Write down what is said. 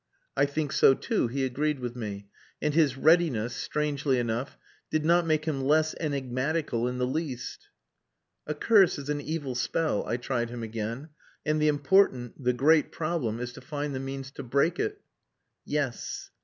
"I think so too," he agreed with me, and his readiness, strangely enough, did not make him less enigmatical in the least. "A curse is an evil spell," I tried him again. "And the important, the great problem, is to find the means to break it." "Yes.